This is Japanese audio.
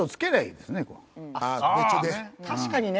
確かにね。